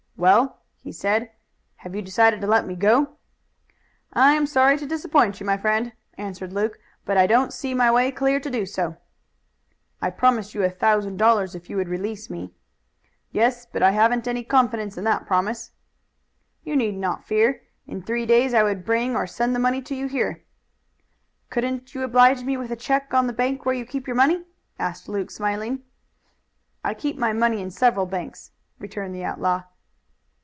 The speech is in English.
"Well," he said, "have you decided to let me go?" "I am sorry to disappoint you, my friend," answered Luke, "but I don't see my way clear to do so." "I promised you a thousand dollars if you would release me." "Yes, but I haven't any confidence in that promise." "You need not fear. In three days I would bring or send the money to you here." "Couldn't you oblige me with a check on the bank where you keep your money?" asked Luke smiling. "I keep my money in several banks," returned the outlaw.